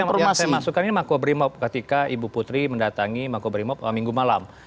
sebentar saya masukkan ini makwabrimob ketika ibu putri mendatangi makwabrimob minggu malam